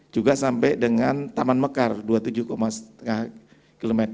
juga sampai dengan taman mekar dua puluh tujuh lima km